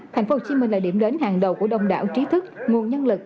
thành phố hồ chí minh là điểm đến hàng đầu của đông đảo trí thức nguồn nhân lực